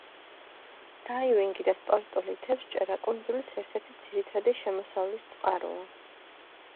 დაივინგი და სპორტული თევზჭერა კუნძულის ერთ-ერთი ძირითადი შემოსავლის წყაროა.